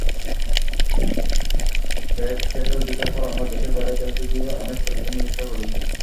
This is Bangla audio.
গ্রেগ চ্যাপেল যুগের পর, আমরা দেশের বাইরে খেলতে গিয়ে অনেক পরীক্ষা-নিরীক্ষা করেছি।